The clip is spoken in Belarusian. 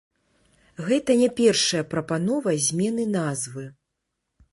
Гэта не першая прапанова змены назвы.